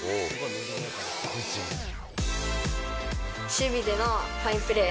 守備でのファインプレー。